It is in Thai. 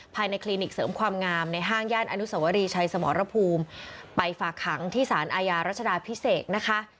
คลินิกเสริมความงามในห้างย่านอนุสวรีชัยสมรภูมิไปฝากขังที่สารอาญารัชดาพิเศษนะคะ